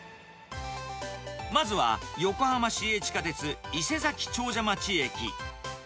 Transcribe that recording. まずは横浜市営地下鉄伊勢佐木長者町駅。